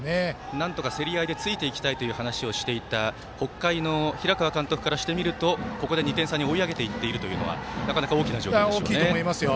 なんとか競り合いでついていきたいという話をしていた北海の平川監督からするとここで２点差に追い上げていっているというのは大きいと思いますよ。